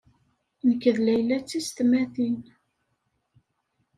Nekk d Layla d tiysetmatin.